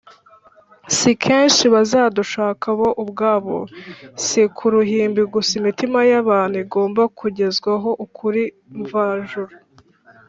. Si kenshi bazadushaka bo ubwabo. Si ku ruhimbi gusa imitima y’abantu igomba kugezwaho ukuri mvajuru